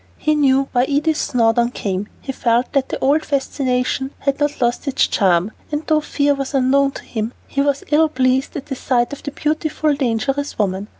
He knew why Edith Snowdon came, he felt that the old fascination had not lost its charm, and though fear was unknown to him, he was ill pleased at the sight of the beautiful, dangerous woman.